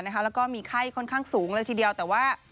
แล้วก็มีไข้ค่อนข้างสูงเลยทีเดียวแต่ว่า